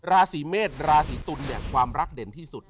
ราศีเมษราศีตุลเนี่ยความรักเด่นที่สุด